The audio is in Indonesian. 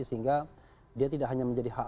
sehingga dia tidak hanya menjadi hak